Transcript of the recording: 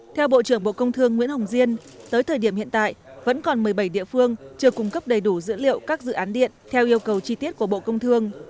theo bộ trưởng bộ công thương nguyễn hồng diên tới thời điểm hiện tại vẫn còn một mươi bảy địa phương chưa cung cấp đầy đủ dữ liệu các dự án điện theo yêu cầu chi tiết của bộ công thương